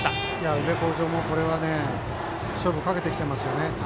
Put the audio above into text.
宇部鴻城も、これは勝負をかけてきていますよね。